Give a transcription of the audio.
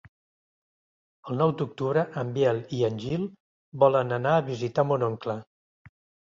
El nou d'octubre en Biel i en Gil volen anar a visitar mon oncle.